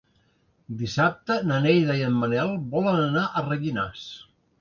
Dissabte na Neida i en Manel volen anar a Rellinars.